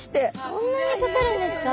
そんなにかかるんですか？